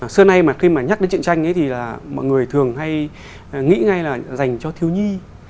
xưa nay mà khi mà nhắc đến chuyện tranh thì là mọi người thường hay nghĩ ngay là dành cho thiếu nhi